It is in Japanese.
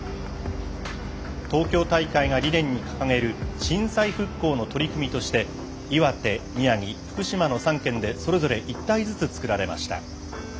東京大会が理念に掲げる震災復興の取り組みとして岩手、宮城、福島の３県でそれぞれ一体ずつつくられました。